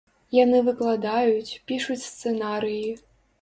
Яны выкладаюць, пішуць сцэнарыі.